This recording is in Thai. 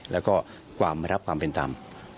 แล้วก็ความรับความเป็นธรรม